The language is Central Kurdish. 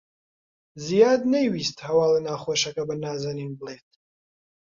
زیاد نەیویست هەواڵە ناخۆشەکە بە نازەنین بڵێت.